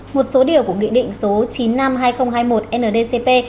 một số điều của nghị định số chín trăm năm mươi hai nghìn hai mươi một ndcp